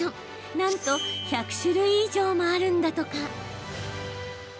なんと、１００種類以上もあるんだとか。